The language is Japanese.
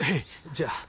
じゃあ。